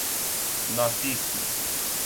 ناسیسم